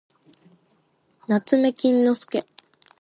なつめきんのすけ